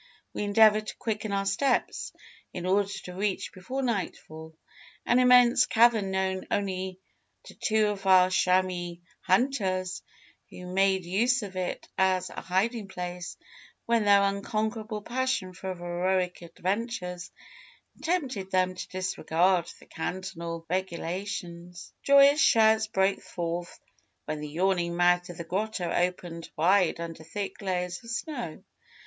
We endeavoured to quicken our steps, in order to reach, before nightfall, an immense cavern known only to two of our chamois hunters, who made use of it as a hiding place when their unconquerable passion for heroic adventures tempted them to disregard the cantonal regulations. Joyous shouts broke forth when the yawning mouth of the grotto opened wide under thick layers of snow.